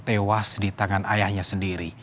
tewas di tangan ayahnya sendiri